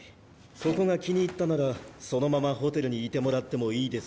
そこが気に入ったならそのままホテルにいてもらってもいいですし。